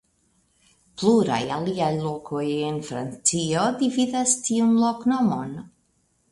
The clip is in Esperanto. Pluraj aliaj lokoj en Francio dividas tiun loknomon.